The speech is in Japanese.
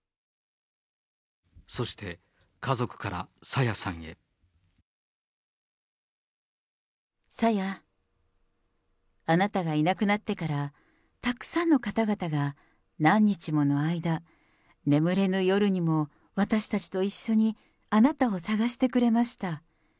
そして、さや、あなたがいなくなってから、たくさんの方々が、何日もの間、眠れぬ夜にも、私たちと一緒にあなたを捜してくれました。